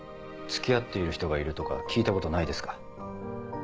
付き合っている人がいるとか聞いたことないですか？